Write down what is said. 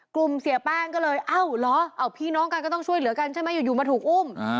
เสียแป้งก็เลยเอ้าเหรอพี่น้องกันก็ต้องช่วยเหลือกันใช่ไหมอยู่มาถูกอุ้ม